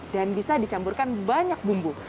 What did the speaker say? dan bisa dicampurkan banyak bumbu